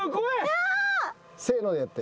せのでやって。